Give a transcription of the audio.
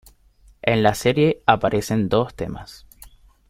En la serie aparecen dos temas.